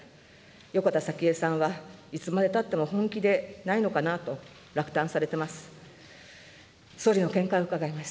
横田早紀江さんはいつまでたっても本気でないのかなと、落胆されてます。